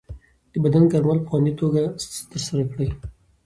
د بدن ګرمول په خوندي توګه ترسره کړئ.